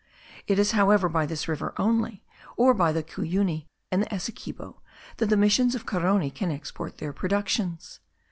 It is, however, by this river only, or by the Cuyuni and the Essequibo, that the missions of Carony can export their productions.